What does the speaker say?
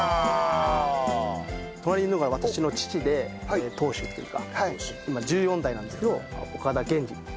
隣にいるのが私の父で当主っていうか今１４代なんですけど岡田源治